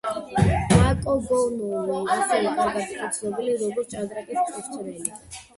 მაკოგონოვი ასევე კარგად იყო ცნობილი როგორც ჭადრაკის მწვრთნელი.